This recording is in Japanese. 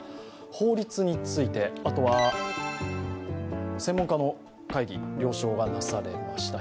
法律について、あとは専門家の会議了承が成されました。